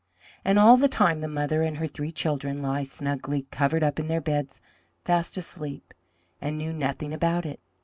And all the time the mother and her three children lay snugly covered up in their beds fast asleep, and knew nothing about it.